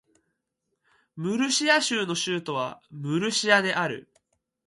ムルシア州の州都はムルシアである